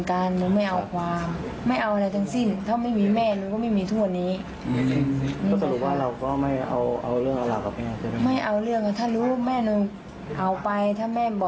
ฉันก็ไม่ได้ติดใจเอาความแม่